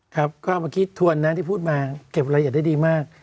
ครับก็เมื่อกี้ทวนนะที่พูดมาเก็บรายละเอียดได้ดีมาก